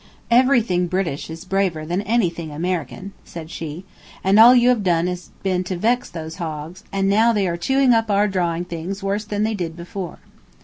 "Everything British is braver than anything American," said she; "and all you have done has been to vex those hogs, and they are chewing up our drawing things worse than they did before."